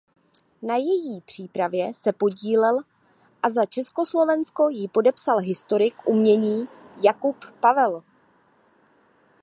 Na její přípravě se podílel a za Československo ji podepsal historik umění Jakub Pavel.